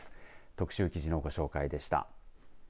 特集記事のご紹介でした。